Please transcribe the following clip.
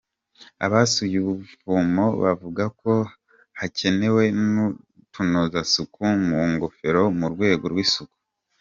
Abasuye ubuvumo bavuga ko hakenewe n’utunozasuku mu ngofero mu rwego rw’isuku.